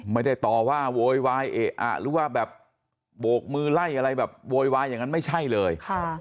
ไม่ได้ต่อว่าโวยวายเอ๊ะอ่ะหรือว่าแบบโบกมือไล่อะไรแบบโวยวายอย่างนั้นไม่ใช่เลย